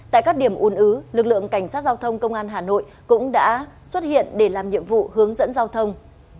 tại các điểm ùn ứ lực lượng cảnh sát giao thông công an hà nội cũng đã xuất hiện để làm nhiệm vụ hướng dẫn giao thông